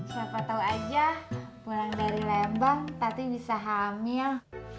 siapa tau aja pulang dari lembang nanti bisa hamil